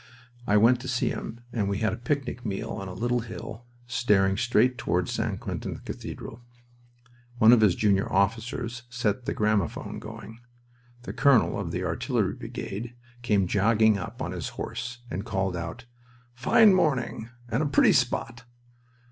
I went to see him, and we had a picnic meal on a little hill staring straight toward St. Quentin cathedral. One of his junior officers set the gramophone going. The colonel of the artillery brigade came jogging up on his horse and called out, "Fine morning, and a pretty spot!"